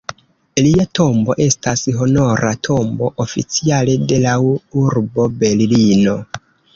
Lia tombo estas honora tombo oficiale de lau urbo Berlino.